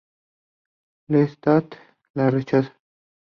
Lestat le rechaza.